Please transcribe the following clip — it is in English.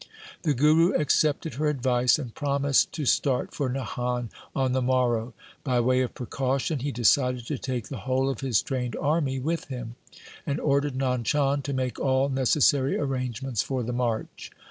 The Guru accepted her advice and promised to start for Nahan on the morrow. By way of precaution he decided to take the whole of his trained army with him, and ordered Nand Chand to make all necessary arrangements for the march.